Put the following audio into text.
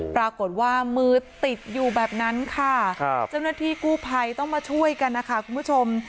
ปรากฏว่ามือติดอยู่แบบนั้นค่ะเจ้าหน้าที่กู้ภัยต้องมาช่วยกันนะคะคุณผู้ชม